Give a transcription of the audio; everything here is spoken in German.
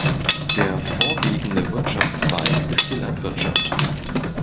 Der vorwiegende Wirtschaftszweig ist die Landwirtschaft.